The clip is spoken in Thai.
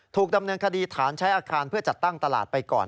ถูกดำเนินคดีฐานใช้อาคารเพื่อจัดตั้งตลาดไปก่อน